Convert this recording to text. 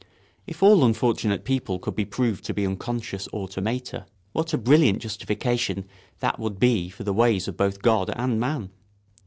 If all unfortunate people could be proved to be unconscious automata, what a brilliant justification that would be for the ways of both God and man!